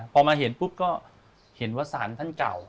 พอมาเห็นปุ๊บก็เห็นว่าศาลท่านเก่า